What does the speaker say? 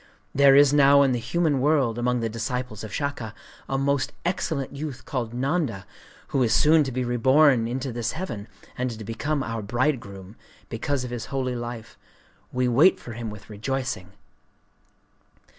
There is now in the human world, among the disciples of Shaka, a most excellent youth called Nanda, who is soon to be reborn into this heaven, and to become our bridegroom, because of his holy life. We wait for him with rejoicing.